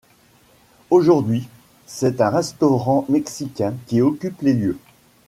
Aujourd'hui, c'est un restaurent mexicain qui occupe les lieux.